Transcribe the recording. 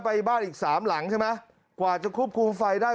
ไปบ้านอีกสามหลังใช่ไหมกว่าจะควบคุมไฟได้